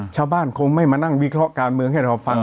คงไม่มานั่งวิเคราะห์การเมืองให้เราฟัง